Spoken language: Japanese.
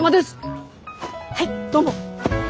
はいどうも！